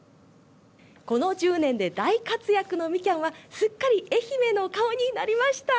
この１０年で大活躍のみきゃんはすっかり愛媛の顔になりました。